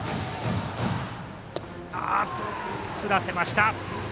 振らせました。